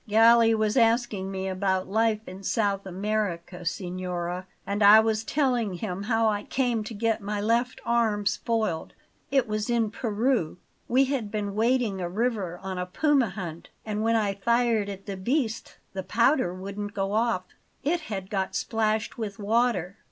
Galli was asking me about life in South America, signora; and I was telling him how I came to get my left arm spoiled. It was in Peru. We had been wading a river on a puma hunt, and when I fired at the beast the powder wouldn't go off; it had got splashed with water.